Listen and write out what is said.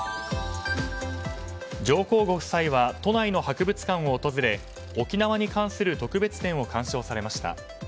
上皇ご夫妻は都内の博物館を訪れ沖縄に関する特別展を鑑賞されました。